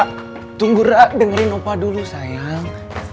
ra tunggu ra dengerin opa dulu sayang